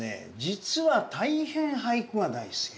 実は大変俳句が大好き。